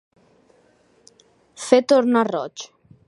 Fer tornar roig.